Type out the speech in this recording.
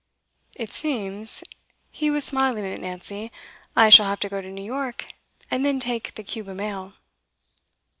'It seems' he was smiling at Nancy 'I shall have to go to New York, and then take the Cuba mail.